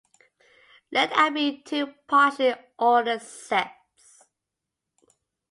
Let and be two partially ordered sets.